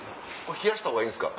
冷やしたほうがいいんすか？